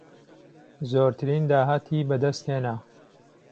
زۆرترین داهاتی بەدەستهێنا